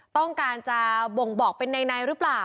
ต้องการจะบ่งบอกเป็นในหรือเปล่า